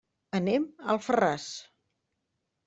Anem a Alfarràs.